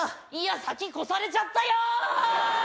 先越されちゃったよ！